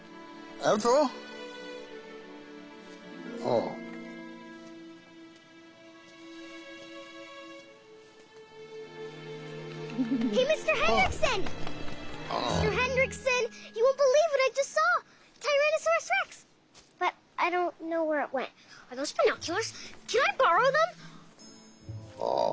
ああ。